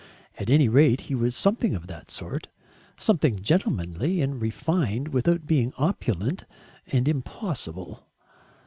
At any rate he was something of that sort, something gentlemanly and refined without being opulent and impossible.